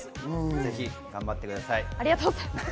ぜひ頑張ってください。